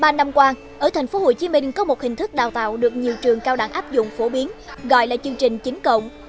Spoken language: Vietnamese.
trong ba năm qua ở tp hcm có một hình thức đào tạo được nhiều trường cao đẳng áp dụng phổ biến gọi là chương trình chín cộng